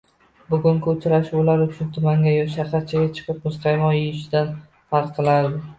Bugungi uchrashuv ular uchun tumanga yo shaharchaga chiqib, muzqaymoq eyishdan farq qilardi